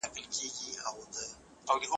شاوخوا وني چپه سوې هسکه چا نه کړله غاړه